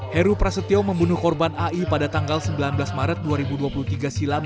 heru prasetyo membunuh korban ai pada tanggal sembilan belas maret dua ribu dua puluh tiga silam